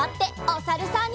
おさるさん。